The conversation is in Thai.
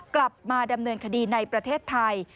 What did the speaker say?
กลับมาดำเนินคดีในประเทศไทย